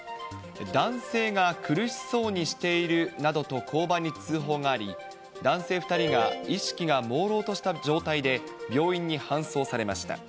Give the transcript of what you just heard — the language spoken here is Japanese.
男性が苦しそうにしているなどと交番に通報があり、男性２人が意識がもうろうとした状態で病院に搬送されました。